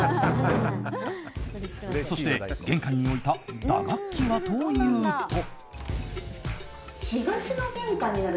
そして、玄関に置いた打楽器はというと。